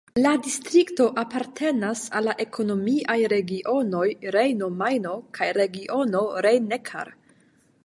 La distrikto apartenas al la ekonomiaj regiono Rejno-Majno kaj regiono Rhein-Neckar.